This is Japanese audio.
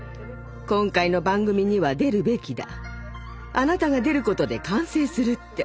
「今回の番組には出るべきだあなたが出ることで完成する」って。